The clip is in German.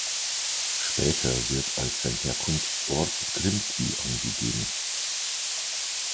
Später wird als sein Herkunftsort Grimsby angegeben.